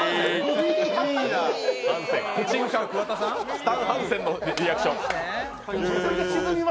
スタン・ハンセンのリアクション。